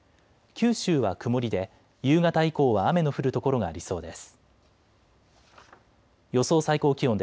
九州は曇りで夕方以降は雨の降る所がありそうです。